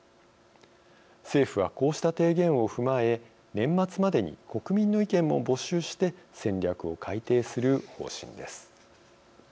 政府はこうした提言を踏まえ年末までに国民の意見も募集して戦略を改定する方針です。